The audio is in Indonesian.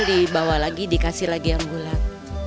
dibawa lagi dikasih lagi yang bulat